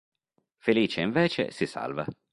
Felice, invece, si salva.